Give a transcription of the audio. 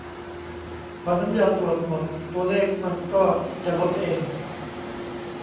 "พอน้ำยาตรวจหมด ตัวเลขมันก็จะลดเอง"